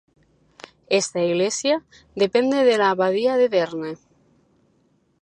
Esta iglesia depende de la abadía de Berne.